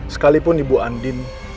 sekalipun ibu andin